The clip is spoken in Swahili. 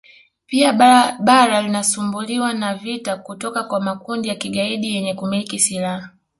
Pia bara la linasumbuliwa na vita kutoka kwa makundi ya kigaidi yenye kumiliki silaha